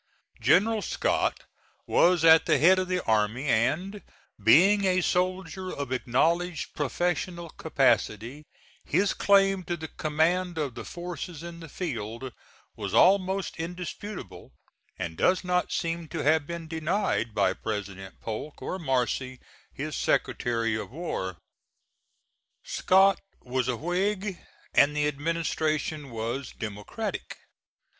General Scott was at the head of the army, and, being a soldier of acknowledged professional capacity, his claim to the command of the forces in the field was almost indisputable and does not seem to have been denied by President Polk, or Marcy, his Secretary of War. Scott was a Whig and the administration was democratic.